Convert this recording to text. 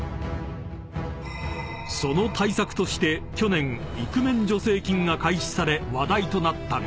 ［その対策として去年イクメン助成金が開始され話題となったが］